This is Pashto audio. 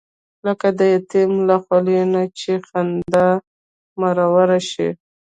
لکه د یتیم له خولې نه چې خندا مروره شي.